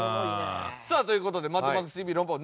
さあという事で『マッドマックスＴＶ論破王』